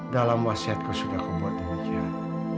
dalam wasiatku sudah aku buat demikian